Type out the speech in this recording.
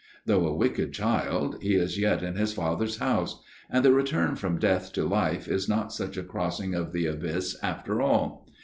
Though a wicked child, he is yet in his Father's house : and the return from death to life is not such a crossing of the abyss, after all.